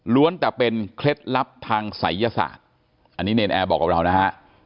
แต่เป็นเคล็ดลับทางศัยยศาสตร์อันนี้เนรนแอร์บอกกับเรานะฮะ